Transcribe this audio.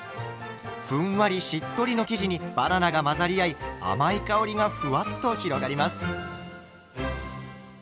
ふんわりしっとりの生地にバナナが混ざり合い甘い香りがふわっと広がります。